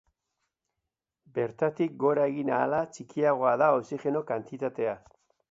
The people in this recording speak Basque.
Bertatik gora egin ahala txikiagoa da oxigeno kantitatea.